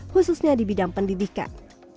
khususnya di bidang pendidikan